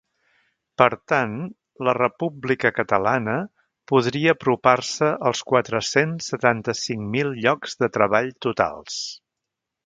Per tant, la república catalana podria apropar-se als quatre-cents setanta-cinc mil llocs de treball totals.